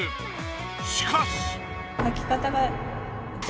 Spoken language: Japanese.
しかし。